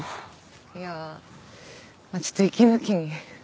いやちょっと息抜きに。